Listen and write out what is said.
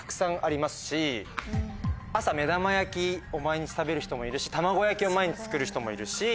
朝目玉焼きを毎日食べる人もいるし卵焼きを毎日作る人もいるし